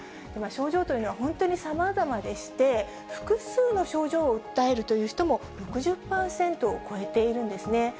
症状というのは本当にさまざまでして、複数の症状を訴えるという人も６０％を超えているんですね。